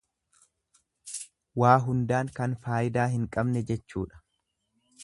Waa hundaan kan faayidaa hin qabne jechuudha.